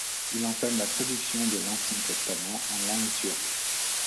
Il entame la traduction de l'Ancien Testament en langue turque.